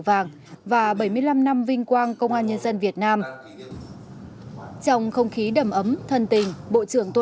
vàng và bảy mươi năm năm vinh quang công an nhân dân việt nam trong không khí đầm ấm thân tình bộ trưởng tô